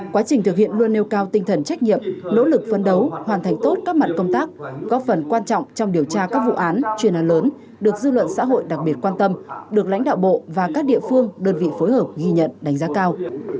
quá trình thực hiện luôn nêu cao tinh thần trách nhiệm nỗ lực phấn đấu hoàn thành tốt các mặt công tác góp phần quan trọng trong điều tra các vụ án chuyên án lớn được dư luận xã hội đặc biệt quan tâm được lãnh đạo bộ và các địa phương đơn vị phối hợp ghi nhận đánh giá cao